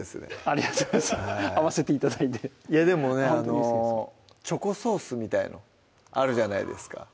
ありがとうございます合わせて頂いていやでもねチョコソースみたいのあるじゃないですか